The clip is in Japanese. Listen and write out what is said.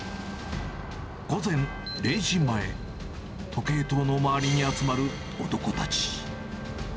午前０時前、時計塔の周りに集まる男たち。